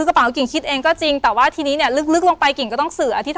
กระเป๋ากิ่งคิดเองก็จริง